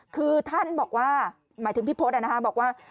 คือท่านบอกว่าหมายถึงพี่พฤตอันนะคะบอกว่า